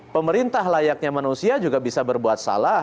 pemerintah layaknya manusia juga bisa berbuat salah